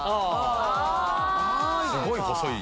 すごい細い。